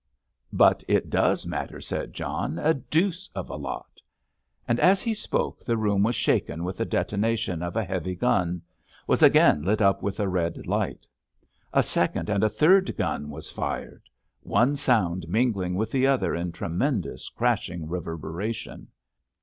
"But it does matter," said John, "a deuce of a lot!" And as he spoke the room was shaken with the detonation of a heavy gun—was again lit up with a red light. A second and a third gun was fired—one sound mingling with the other in tremendous crashing reverberation.